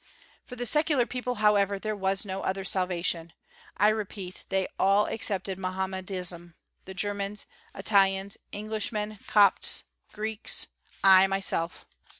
For the secular people, however, there was no other salvation. I repeat, they all accepted Mohammedism; the Germans, Italians, Englishmen, Copts, Greeks I myself."